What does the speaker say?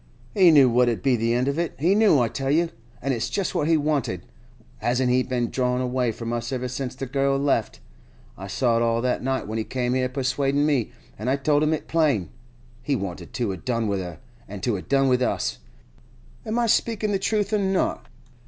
He knew what 'ud be the end of it—he knew, I tell you,—an' it's just what he wanted. Hasn't he been drawin' away from us ever since the girl left? I saw it all that night when he came here persuadin' me, an' I told it him plain. He wanted to 'a done with her, and to a' done with us. Am I speakin' the truth or not?